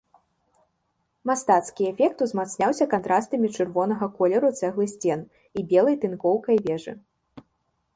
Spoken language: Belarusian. Мастацкі эфект узмацняўся кантрастамі чырвонага колеру цэглы сцен і белай тынкоўкай вежы.